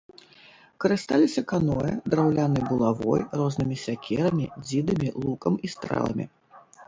Карысталіся каноэ, драўлянай булавой, рознымі сякерамі, дзідамі, лукам і стрэламі.